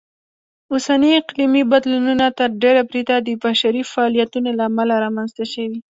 اوسني اقلیمي بدلونونه تر ډېره بریده د بشري فعالیتونو لهامله رامنځته شوي.